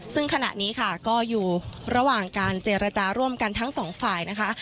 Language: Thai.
ซึ่งขณะนี้ค่ะก็อยู่ระหว่างการเจรจาร่วมกันทั้งสองฝ่ายนะคะ